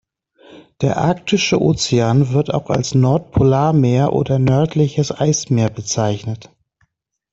Der Arktische Ozean, wird auch als Nordpolarmeer oder nördliches Eismeer bezeichnet.